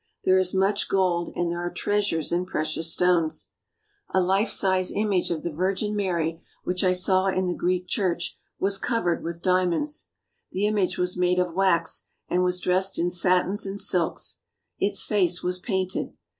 There is much gold, and there are treasures in precious stones. A life sized image of the Virgin Mary which I saw in the Greek church was cov ered with diamonds. The image was made of wax, and was dressed in satins and silks. Its face was painted.